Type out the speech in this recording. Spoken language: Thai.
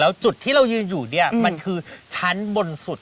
แล้วจุดที่เรายืนอยู่เนี่ยมันคือชั้นบนสุด